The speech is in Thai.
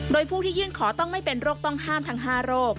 โดยผู้ที่ยื่นขอต้องไม่เป็นโรคต้องห้ามทั้ง๕โรค